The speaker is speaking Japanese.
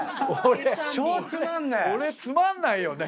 俺つまんないよね